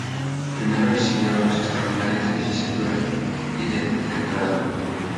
Primero recibió los extraordinarios de licenciatura y de doctorado.